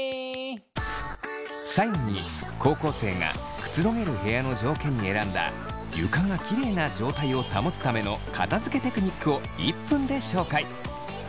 最後に高校生がくつろげる部屋の条件に選んだ床がキレイな状態を保つための片づけテクニックを１分で紹介。